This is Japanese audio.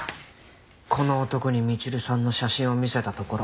この男にみちるさんの写真を見せたところ。